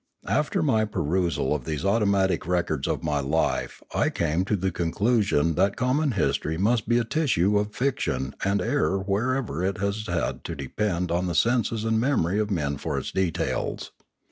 After my perusal of these automatic records of my life I came to the conclusion that common history must be a tissue of fiction and error wherever it has had to depend on the senses and memory of men for its details.